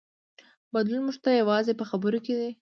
بدلون موږ ته یوازې په خبرو کې دی.